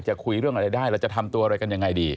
คุยเรื่องอะไรได้เราจะทำตัวอะไรกันยังไงดี